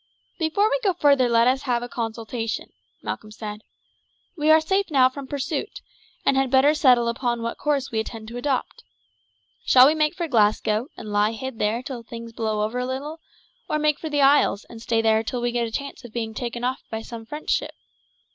"Before we go further let us have a consultation," Malcolm said. "We are safe now from pursuit, and had better settle upon what course we intend to adopt. Shall we make for Glasgow, and lie hid there until things blow over a little; or make for the isles, and stay there until we get a chance of being taken off by some French ship?